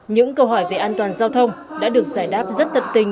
những câu hỏi về an toàn giao thông đã được giải đáp rất tận tình